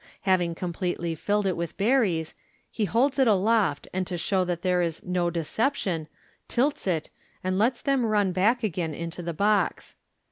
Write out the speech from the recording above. Having completely filled it with the berries, he holds it aloft, and, to show that there is " no deception," tilts it, and lets them run back again into the box.